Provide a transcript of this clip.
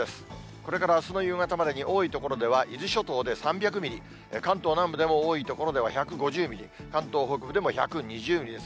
これからあすの夕方までに多い所では伊豆諸島で３００ミリ、関東南部でも多い所では１５０ミリ、関東北部でも１２０ミリです。